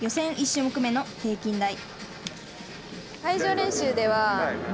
１種目めの平均台。